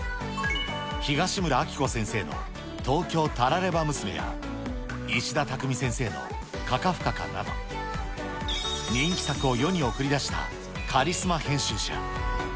東村アキコ先生の東京タラレバ娘や、石田拓実先生のカカフカカなど、人気作を世に送り出したカリスマ編集者。